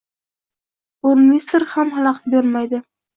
Burmistr ham xalaqit bermaydi